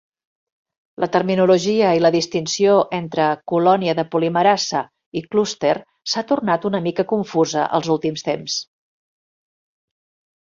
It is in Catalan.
La terminologia i la distinció entre "colònia de polimerasa" i "clúster" s"ha tornat una mica confusa als últims temps.